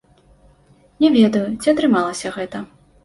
Не ведаю, ці атрымалася гэта.